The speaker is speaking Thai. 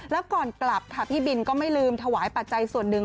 แล้วก่อนกลับค่ะพี่บินก็ไม่ลืมถวายปัจจัยส่วนหนึ่ง